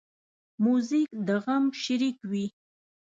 موزیک د غم شریک وي.